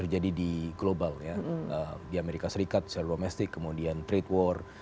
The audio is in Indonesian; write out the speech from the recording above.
jadi kita bisa melihat itu